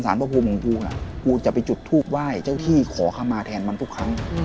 สารพระครูปลงพูน่ะกูจะไปจุดถูกไหว้เจ้าที่ข้อคมาแทนมันทุกครั้ง